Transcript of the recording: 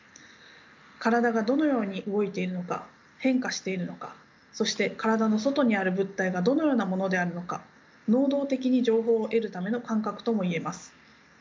体がどのように動いているのか変化しているのかそして体の外にある物体がどのようなものであるのか能動的に情報を得るための感覚ともいえます。